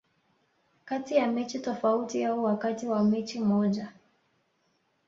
kati ya mechi tofauti au wakati wa mechi moja